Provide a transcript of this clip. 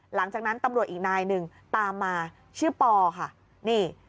หลังจากนั้นตำรวจอีกนายหนึ่งตามมาชื่อปอค่ะนี่